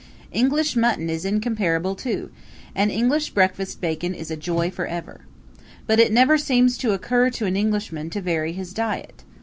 English mutton is incomparable, too, and English breakfast bacon is a joy forever. But it never seems to occur to an Englishman to vary his diet.